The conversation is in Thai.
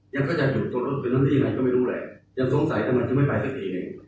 ยังก็จะอยู่ตรงรถตรงนั้นที่ไหนก็ไม่รู้แหละยังสงสัยว่ามันจะไม่ไปทั้งทีเนี่ย